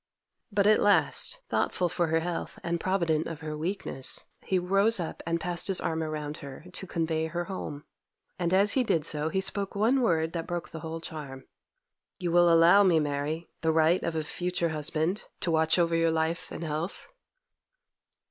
But at last, thoughtful for her health and provident of her weakness, he rose up and passed his arm around her to convey her home. And as he did so, he spoke one word that broke the whole charm. 'You will allow me, Mary, the right of a future husband, to watch over your life and health?